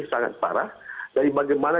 sangat parah jadi bagaimana